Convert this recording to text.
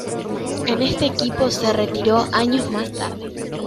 En este equipo se retiró años más tarde.